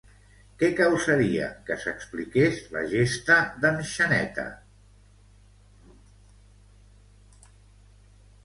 Què causaria, que s'expliqués la gesta d'en Xaneta?